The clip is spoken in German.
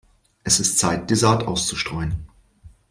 Es ist Zeit, die Saat auszustreuen.